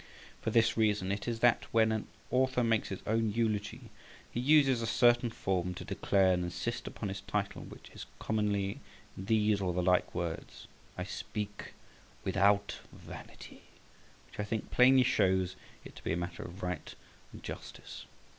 For this reason it is that when an author makes his own eulogy, he uses a certain form to declare and insist upon his title, which is commonly in these or the like words, "I speak without vanity," which I think plainly shows it to be a matter of right and justice.